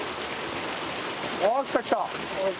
あ来た来た。